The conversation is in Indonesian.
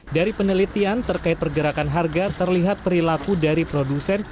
dari penelitian terkait pergerakan harga terlihat perilaku dari produsen